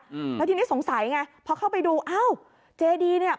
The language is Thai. อืมแล้วทีนี้สงสัยไงพอเข้าไปดูอ้าวเจดีเนี้ย